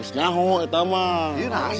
ini kasihan si neng